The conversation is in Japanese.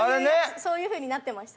そういうふうになってました。